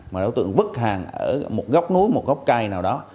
mà đối tượng vứt hàng ở một góc núi một góc cây nào đó